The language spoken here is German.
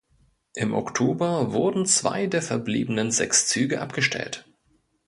Im Oktober wurden zwei der verbliebenen sechs Züge abgestellt.